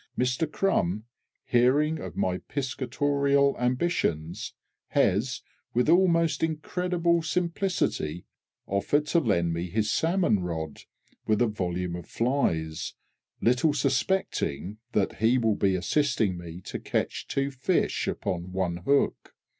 Mister CRUM, hearing of my piscatorial ambitions, has, with almost incredible simplicity, offered to lend me his salmon rod, with a volume of flies, little suspecting that he will be assisting me to catch two fish upon one hook!